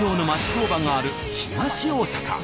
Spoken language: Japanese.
工場がある東大阪。